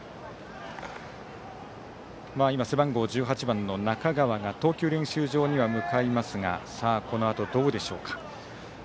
背番号１８番の中川が投球練習場には向かいますがこのあとどうでしょうか。